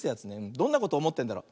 どんなことおもってんだろう。